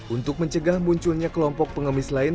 untuk mencegah munculnya kelompok pengemis lain